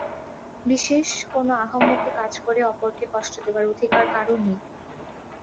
বিশেষ, কোন আহাম্মকি কাজ করে অপরকে কষ্ট দেবার অধিকার কারও নেই।